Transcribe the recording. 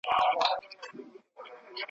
نه مي ږغ له ستوني وزي نه د چا غوږ ته رسېږم ,